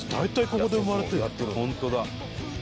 ホントだ。